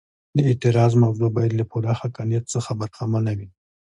د اعتراض موضوع باید له پوره حقانیت څخه برخمنه وي.